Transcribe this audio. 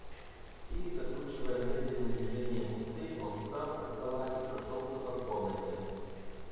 И, закручивая медленным движением усы, он встал от стола и прошелся по комнате.